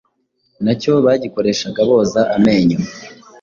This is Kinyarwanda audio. na cyo bagikoreshaga boza amenyo